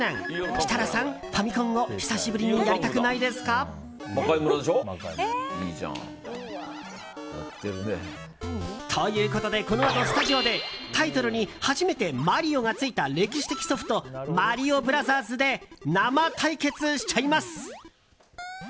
設楽さん、ファミコンを久しぶりにやりたくないですか？ということでこのあとスタジオでタイトルに初めて「マリオ」がついた歴史的ソフト「マリオブラザーズ」で生対決しちゃいます。